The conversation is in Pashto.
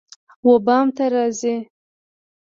وبام ته راځی